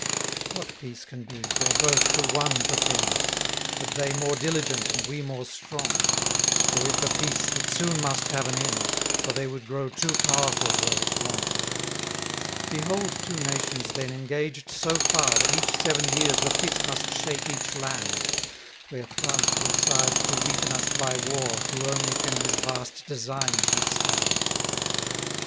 6 What peace can be, where both to one pretend? (But they more diligent, and we more strong) Or if a peace, it soon must have an end; For they would grow too powerful, were it long. 7 Behold two nations, then, engaged so far That each seven years the fit must shake each land: Where France will side to weaken us by war, Who only can his vast designs withstand.